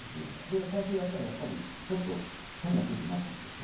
で最初やったらやっぱりちょっと変な空気になったんすよ。